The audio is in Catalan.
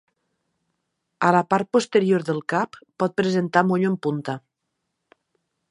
A la part posterior del cap pot presentar monyo en punta.